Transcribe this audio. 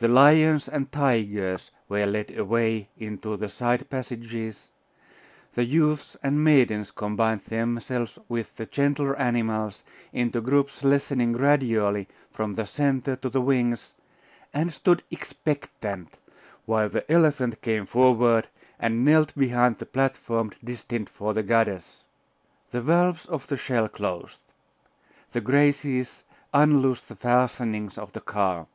The lions and tigers were led away into the side passages; the youths and maidens combined themselves with the gentler animals into groups lessening gradually from the centre to the wings, and stood expectant, while the elephant came forward, and knelt behind the platform destined for the goddess. The valves of the shell closed. The Graces unloosed the fastenings of the car.